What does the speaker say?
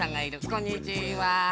こんにちは。